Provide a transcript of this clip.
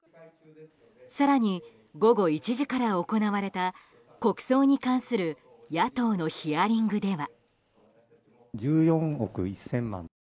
更に午後１時から行われた国葬に関する野党のヒアリングでは。